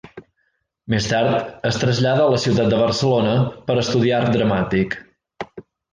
Més tard es trasllada a la ciutat de Barcelona per a estudiar Art Dramàtic.